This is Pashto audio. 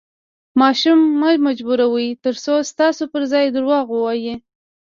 ماشوم مه مجبوروئ، ترڅو ستاسو پر ځای درواغ ووایي.